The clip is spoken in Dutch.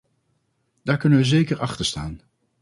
Daar kunnen we zeker achter staan.